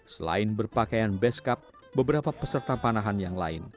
selain berpakaian beskap beberapa peserta panahan yang lain